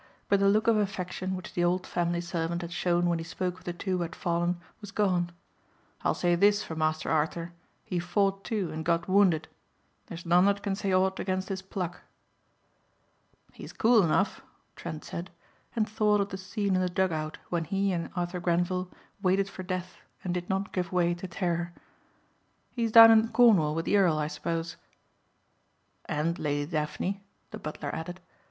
But the look of affection which the old family servant had shown when he spoke of the two who had fallen was gone. "I'll say this for Master Arthur, he fought too and got wounded. There's none that can say aught against his pluck." "He is cool enough," Trent said, and thought of the scene in the dug out when he and Arthur Grenvil waited for death and did not give way to terror. "He's down in Cornwall with the Earl, I suppose?" "And Lady Daphne," the butler added.